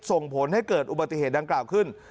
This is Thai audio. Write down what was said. ส่งผลให้เกิดอุบัติเหตุดังกล่าวขึ้น